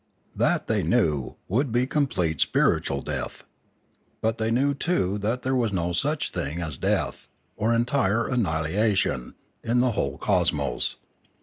That, they knew, would be complete spiritual death. But they knew too that there was no such thing as Ethics 627 death, or entire annihilation, in the whole cosmos.